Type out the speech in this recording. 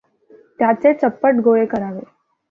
त्याचे चप्पट गोळे करावे.